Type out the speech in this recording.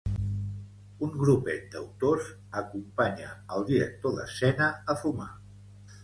Un grupet d'autors acompanya al director d'escena a fumar.